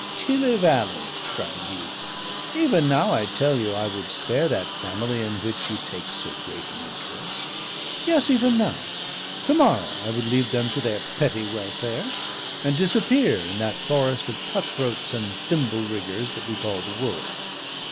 "Tilly vally!" cried he. "Even now, I tell you, I would spare that family in which you take so great an interest: yes, even now to morrow I would leave them to their petty welfare, and disappear in that forest of cut throats and thimble riggers that we call the world.